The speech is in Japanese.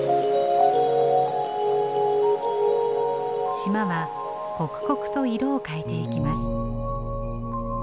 島は刻々と色を変えていきます。